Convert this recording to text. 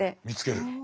見つける。